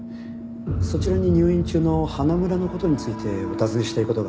そちらに入院中の花村の事についてお尋ねしたい事が。